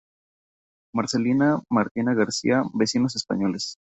Marcelina Martina García, vecinos españoles.